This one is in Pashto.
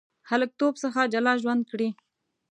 هلکتوب څخه جلا ژوند کړی.